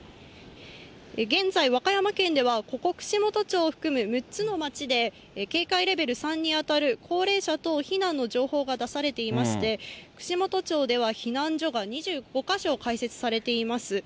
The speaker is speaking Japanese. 現在、和歌山県ではここ、串本町を含む６つの町で警戒レベル３に当たる高齢者等避難の情報が出されていまして、串本町では避難所が２５か所開設されています。